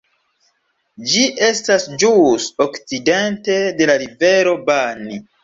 Ĝi estas ĵus okcidente de la Rivero Bani.